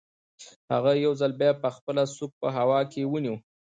هغه یو ځل بیا خپله سوک په هوا کې ونیو